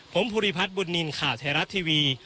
ผมภูริพัฒน์บุญนินทร์ข่าวไทยรัฐทีวี